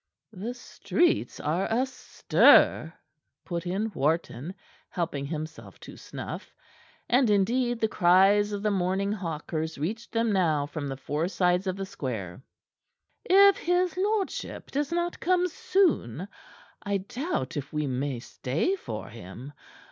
"The streets are astir," put in Wharton, helping himself to snuff. And, indeed, the cries of the morning hawkers reached them now from the four sides of the square. "If his lordship does not come soon, I doubt if we may stay for him.